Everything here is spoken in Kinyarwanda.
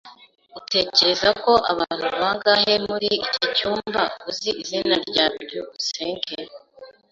Utekereza ko abantu bangahe muri iki cyumba uzi izina rya byukusenge?